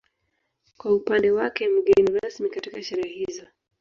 Kwa upande wake mgeni rasmi katika sherehe hizo